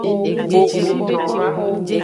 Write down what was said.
Gbogbu.